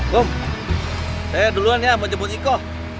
gom saya duluan ya mau jemput iko